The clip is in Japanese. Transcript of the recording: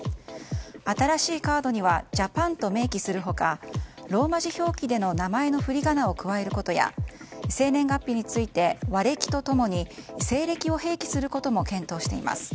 新しいカードにはＪＡＰＡＮと明記する他ローマ字表記での名前の振り仮名を加えることや生年月日について和暦と共に西暦を併記することも検討しています。